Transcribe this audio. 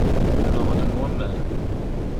Nneɣlen waman.